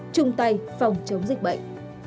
chung tay phòng chống dịch bệnh